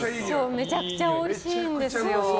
めちゃくちゃおいしいんですよ。